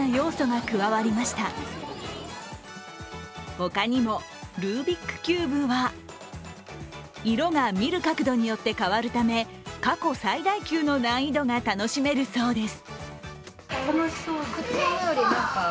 他にもルービックキューブは色が見る角度によって変わるため、過去最大級の難易度が楽しめるそうです。